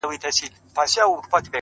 دا ځلي غواړم لېونی سم د هغې مینه کي.